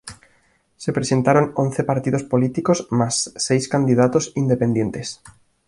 Se presentaron once partidos políticos más seis candidatos independientes.